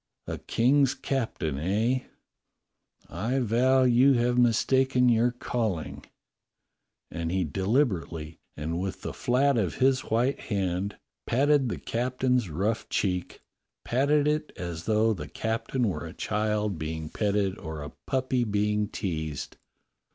A King's captain, eh.^^ I vow you have mistaken your calling." And he de 154 DOCTOR SYN liberately and with the flat of his white hand patted the captain's rough cheek, patted it as though the captain were a child being petted or a puppy being teased.